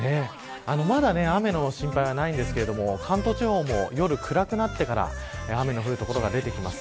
まだ雨の心配はないですが関東地方も夜暗くなってから雨の降る所が出てきます。